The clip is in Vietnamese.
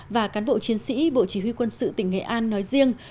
và cán bộ chiến sĩ bộ chỉ huy quân sự tỉnh nghệ an nói riêng